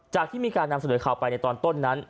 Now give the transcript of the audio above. ที่มีการนำเสนอข่าวไปในตอนต้นนั้น